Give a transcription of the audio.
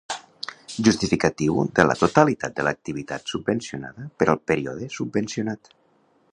Justificatiu de la totalitat de l'activitat subvencionada per al període subvencionat.